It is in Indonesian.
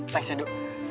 thanks ya du